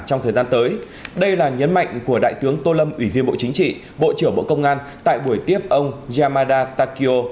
trong thời gian tới đây là nhấn mạnh của đại tướng tô lâm ủy viên bộ chính trị bộ trưởng bộ công an tại buổi tiếp ông yamada takio